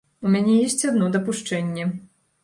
У мяне ёсць адно дапушчэнне.